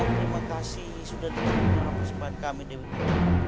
terima kasih sudah terima persembahan kami dewi ular